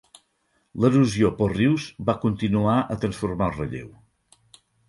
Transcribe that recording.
L'erosió pels rius va continuar a transformar el relleu.